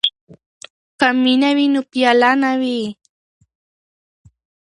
که مینه وي نو پیاله نه وي.